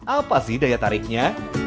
apa sih daya tariknya